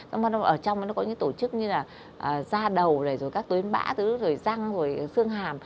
ở trong nó có những tổ chức như là da đầu các tuyến bã răng xương hàm